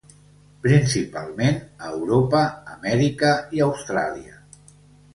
Principalment, a Europa, Amèrica i Austràlia.